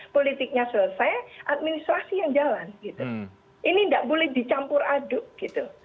politiknya selesai administrasi yang jalan gitu ini tidak boleh dicampur aduk gitu